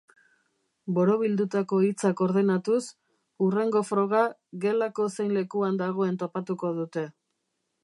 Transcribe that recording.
Borobildutako hitzak ordenatuz, hurrengo froga gelako zein lekuan dagoen topatuko dute.